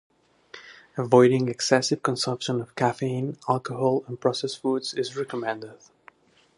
Avoiding excessive consumption of caffeine, alcohol, and processed foods is recommended.